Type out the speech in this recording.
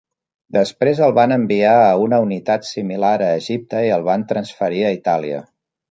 Després el van enviar a una unitat similar a Egipte i el van transferir a Itàlia.